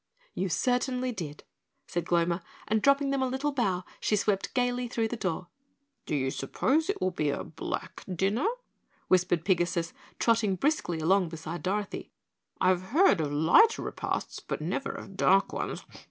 "You certainly did," said Gloma, and dropping them a little bow, she swept gaily through the door. "D'ye suppose it will be a black dinner?" whispered Pigasus, trotting briskly along beside Dorothy. "I've heard of light repasts, but never of dark ones.